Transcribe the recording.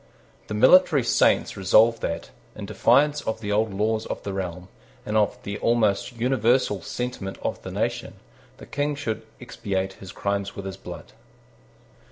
The military saints resolved that, in defiance of the old laws of the realm, and of the almost universal sentiment of the nation, the King should expiate his crimes with his blood.